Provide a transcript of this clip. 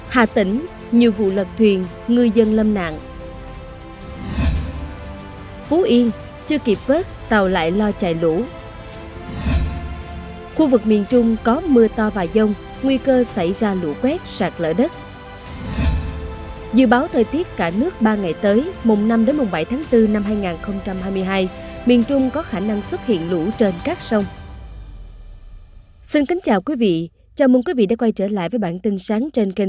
hãy đăng ký kênh để ủng hộ kênh của chúng mình nhé